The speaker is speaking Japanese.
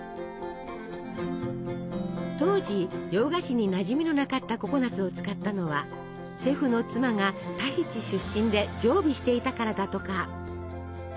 当時洋菓子になじみのなかったココナツを使ったのはシェフの妻がタヒチ出身で常備していたからだとか。